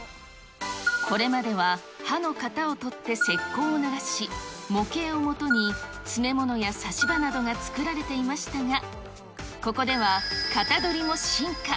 これまでは、歯の型を取って石こうを流し、模型をもとに詰め物や差し歯などが作られていましたが、ここでは型取りも進化。